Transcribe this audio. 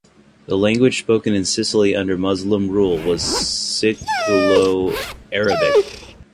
The language spoken in Sicily under Muslim rule was Siculo-Arabic.